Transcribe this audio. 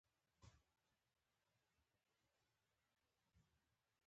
البته د الفبا ترتیب د موضوع په پیدا کولو کې.